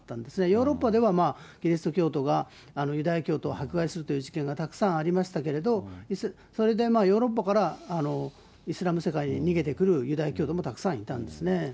ヨーロッパではキリスト教徒がユダヤ教徒を迫害するという事件がたくさんありましたけれども、それでヨーロッパからイスラム世界に逃げてくるユダヤ教徒もたくさんいたんですね。